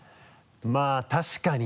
まぁ確かに。